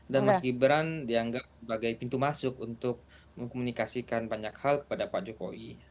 dan mas gibran dianggap sebagai pintu masuk untuk mengkomunikasikan banyak hal kepada pak jokowi